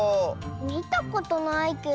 みたことないけど。